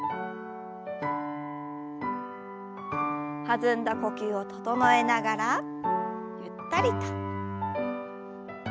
弾んだ呼吸を整えながらゆったりと。